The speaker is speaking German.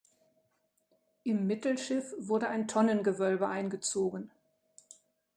Im Mittelschiff wurde ein Tonnengewölbe eingezogen.